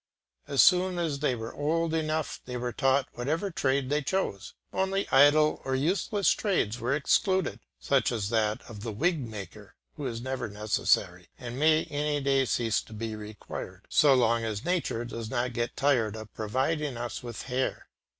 As soon as they were old enough they were taught whatever trade they chose; only idle or useless trades were excluded, such as that of the wigmaker who is never necessary, and may any day cease to be required, so long as nature does not get tired of providing us with hair.